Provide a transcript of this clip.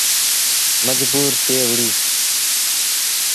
مجبور ٿئي وُهڙيٚ۔